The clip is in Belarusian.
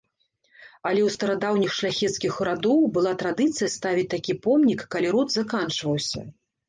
Але ў старадаўніх шляхецкіх радоў была традыцыя ставіць такі помнік, калі род заканчваўся.